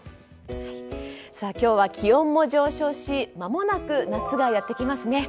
今日は気温も上昇しまもなく夏がやってきますね。